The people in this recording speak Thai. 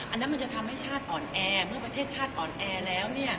อันนั้นมันจะทำให้ชาติอ่อนแอเมื่อประเทศชาติอ่อนแอแล้ว